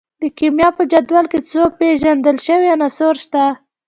د کیمیا په جدول کې څو پیژندل شوي عناصر شته.